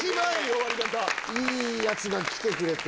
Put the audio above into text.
終わり方いいやつが来てくれて